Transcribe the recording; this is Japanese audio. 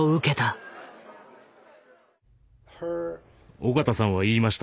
緒方さんは言いました。